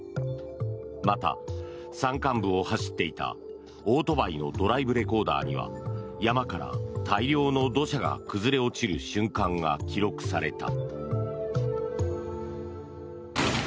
また、山間部を走っていたオートバイのドライブレコーダーには山から大量の土砂が崩れ落ちる瞬間が記録された。